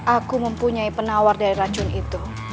aku mempunyai penawar dari racun itu